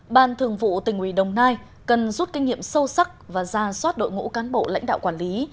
ban thường vụ tỉnh ủy đồng nai cần rút kinh nghiệm sâu sắc và ra soát đội ngũ cán bộ lãnh đạo quản lý